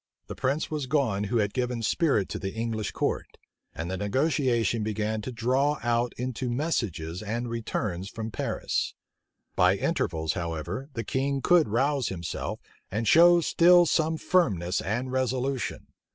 The prince was gone who had given spirit to the English court; and the negotiation began to draw out into messages and returns from Paris. By intervals, however, the king could rouse himself, and show still some firmness and resolution.